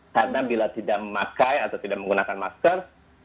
karena bila tidak memakai atau tidak menggunakan masker